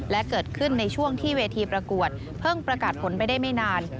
และเกิดขึ้นในช่วงที่เวทีประกวดเพิ่งประกาศผลไปได้ไม่นาน